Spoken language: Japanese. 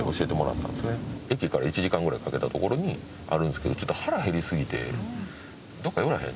駅から１時間ぐらいかけた所にあるんですけどちょっと腹減りすぎてどっか寄らへん？